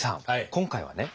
今回はね